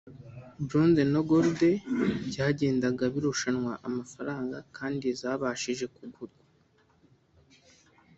Blonze na Gold byagendaga birushanwa amafaranga kandi zabashije kugurwa